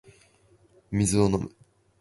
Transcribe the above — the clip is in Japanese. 水を飲む